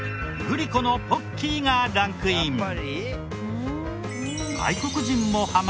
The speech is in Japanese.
グリコのポッキーがランクイン。